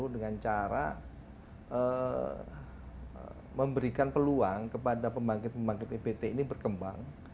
dengan cara memberikan peluang kepada pembangkit pembangkit ebt ini berkembang